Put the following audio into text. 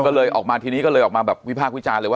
ก็เลยออกมาทีนี้ก็เลยออกมาแบบวิพากษ์วิจารณ์เลยว่า